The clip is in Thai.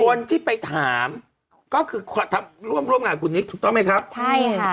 คนที่ไปถามก็คือร่วมร่วมงานคุณนิกถูกต้องไหมครับใช่ค่ะ